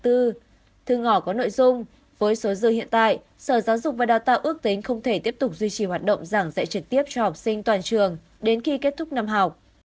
thư ngỏ có nội dung với số dư hiện tại sở giáo dục và đào tạo ước tính không thể tiếp tục duy trì hoạt động giảng dạy trực tiếp cho học sinh toàn trường đến khi kết thúc năm học